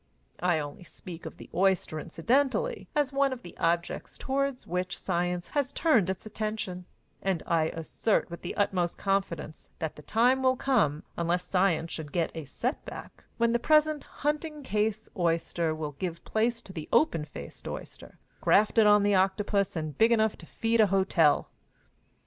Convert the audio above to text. I only speak of the oyster incidentally, as one of the objects toward which science has turned its attention, and I assert with the utmost confidence that the time will come, unless science should get a set back, when the present hunting case oyster will give place to the open face oyster, grafted on the octopus and big enough to feed a hotel.